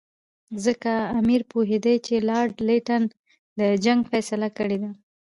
ځکه امیر پوهېدی چې لارډ لیټن د جنګ فیصله کړې ده.